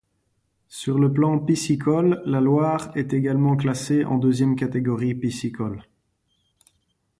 Sur le plan piscicole, la Loire est également classée en deuxième catégorie piscicole.